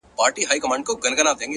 وخت له هیچا سره نه دریږي.